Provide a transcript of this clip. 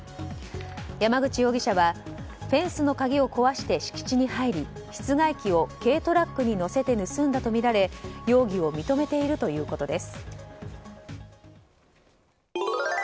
山口容疑者はフェンスの鍵を壊して敷地に入り室外機を軽トラックに載せて盗んだとみられ容疑を認めているということです。